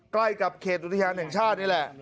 ใกล้กับเขตอุทยานแห่งชาตินี่แหละ